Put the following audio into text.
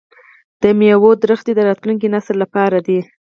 د میوو ونې د راتلونکي نسل لپاره دي.